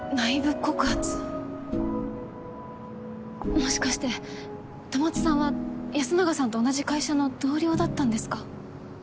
もしかして戸松さんは安永さんと同じ会社の同僚だったんですか？